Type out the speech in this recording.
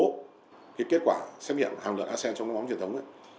thì kết quả xét nghiệm hàng lượng asean trong các bóng truyền thống